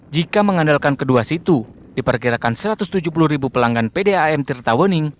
jika mengandalkan kedua situ diperkirakan satu ratus tujuh puluh ribu pelanggan pdam tirta wening